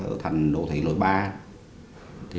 để trở thành độ thị nội ba